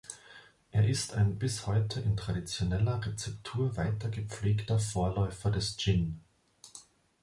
Er ist ein bis heute in traditioneller Rezeptur weiter gepflegter Vorläufer des Gin.